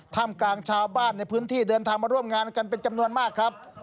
กลางชาวบ้านในพื้นที่เดินทางมาร่วมงานกันเป็นจำนวนมากครับ